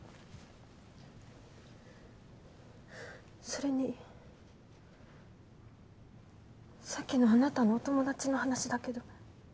それにさっきのあなたのお友達の話だけど。